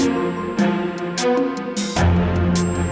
gue mau pergi ke rumah